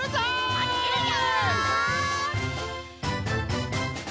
まってるよ！